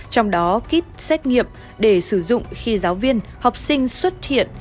trong đó kit xét nghiệm để sử dụng khi giáo viên học sinh xuất hiện